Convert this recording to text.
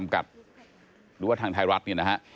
หรือว่าทางไทยรัฐเนี่ยนะฮะ